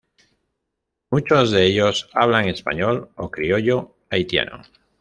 Muchos de ellos hablan español o criollo haitiano.